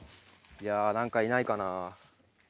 いや何かいないかなあ。